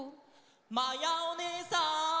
まやおねえさん！